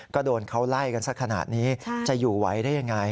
ก็โดนเขาไล่กันสักขนาดนี้จะอยู่ไหวได้ยังไง